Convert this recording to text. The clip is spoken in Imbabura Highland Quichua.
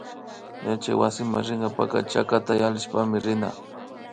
Yachana wasiman rinkapaka chakata yallishpami rina